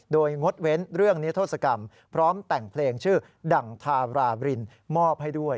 โดยงดเว้นเรื่องนิทธศกรรมพร้อมแต่งเพลงชื่อดังทาราบรินมอบให้ด้วย